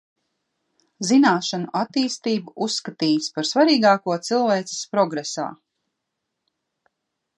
Zināšanu attīstību uzskatījis par svarīgāko cilvēces progresā.